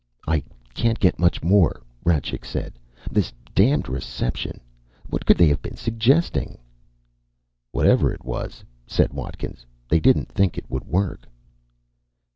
"I can't get much more," Rajcik said. "This damned reception.... What could they have been suggesting?" "Whatever it was," said Watkins, "they didn't think it would work."